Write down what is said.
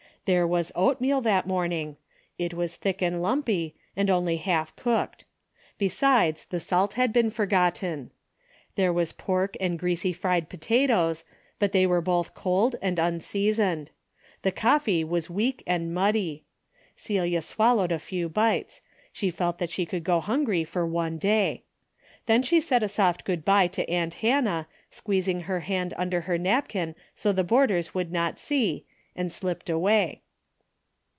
There was oatmeal that morn ing. It was thick and lumpy, and only half cooked. Besides the salt had been forgotten. There was pork and greasy fried potatoes, but they were both cold, and unseasoned. The coffee was weak and muddy. Celia swallowed a few bites. She felt that she could go hungry for one day. Then she said a soft good bye to aunt Hannah, squeezing her hand under her napkin so the boarders would not see and slipped away.